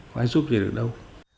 có ai giúp gì được đâu